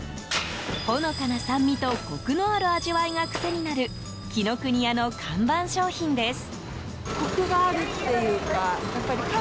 ほのかな酸味とコクのある味わいが癖になる紀ノ國屋の看板商品です。